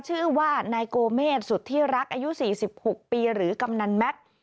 ชื่อว่านายโกเมษสุธิรักอายุ๔๖ปีหรือกำนันแม็กซ์